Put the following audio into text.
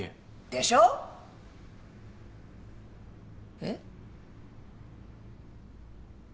でしょ？えっ？